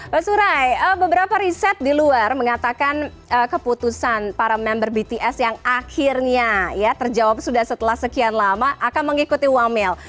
pak surai beberapa riset di luar mengatakan keputusan para member bts yang akhirnya ya terjawab sudah setelah sekian lama akan mengikuti wamel